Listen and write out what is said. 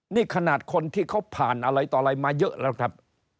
นี่ขนาดคนที่เขาผ่านอะไรต่ออะไรมาเยอะแล้วครับ